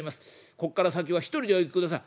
こっから先は一人でお行きください」。